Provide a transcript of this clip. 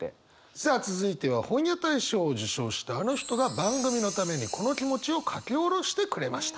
さあ続いては本屋大賞を受賞したあの人が番組のためにこの気持ちを書き下ろしてくれました。